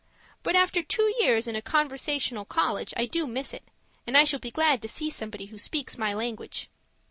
But after two years in a conversational college, I do miss it; and I shall be glad to see somebody who speaks my language.